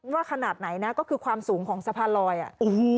ขนาดไหนนะก็คือความสูงของสะพานลอยอ่ะอืม